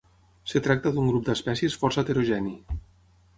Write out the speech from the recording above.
Es tracta d'un grup d'espècies força heterogeni.